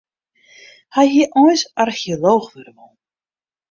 Hy hie eins archeolooch wurde wollen.